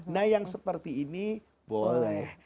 nah yang seperti ini boleh